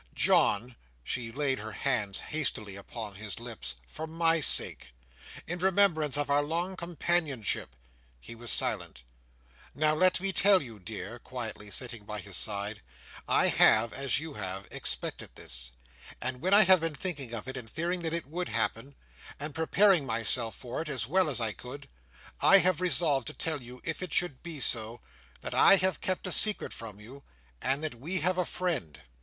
"John!" she laid her hand hastily upon his lips, "for my sake! In remembrance of our long companionship!" He was silent "Now, let me tell you, dear," quietly sitting by his side, "I have, as you have, expected this; and when I have been thinking of it, and fearing that it would happen, and preparing myself for it, as well as I could, I have resolved to tell you, if it should be so, that I have kept a secret from you, and that we have a friend."